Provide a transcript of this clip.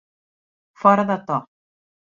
Fora de to.